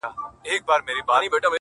څۀ کۀ په لاس کښې ئې پرچم بدل دے